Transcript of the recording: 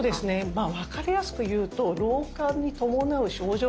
まあ分かりやすく言うと老化に伴う症状が出やすくなると。